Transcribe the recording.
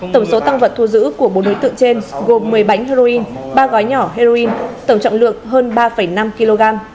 tổng số tăng vật thu giữ của bốn đối tượng trên gồm một mươi bánh heroin ba gói nhỏ heroin tổng trọng lượng hơn ba năm kg